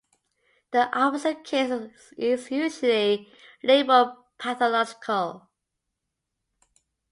The opposite case is usually labeled pathological.